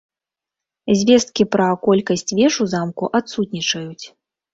Звесткі пра колькасць веж у замку адсутнічаюць.